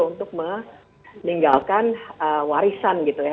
untuk meninggalkan warisan gitu ya